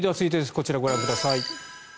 こちら、ご覧ください。